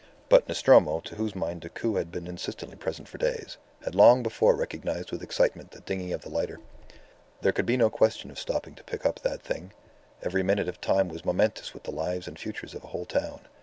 But Nostromo, to whose mind Decoud had been insistently present for days, had long before recognized with excitement the dinghy of the lighter. There could be no question of stopping to pick up that thing. Every minute of time was momentous with the lives and futures of a whole town.